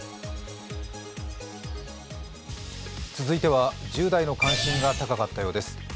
続いては１０代の関心が高かったようです。